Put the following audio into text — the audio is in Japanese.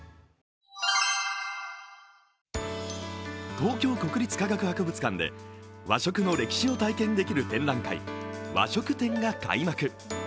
東京国立科学博物館で和食の歴史を体験できる展覧会、和食展が開幕。